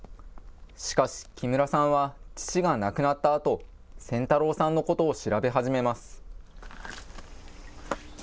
しかし、木村さんは父が亡くなったあと、仙太郎さんのことを調べ始めます。